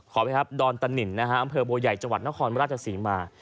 ขอบคุณครับดอนตะหนินอำเภอโบใหญ่จนครราชสีมา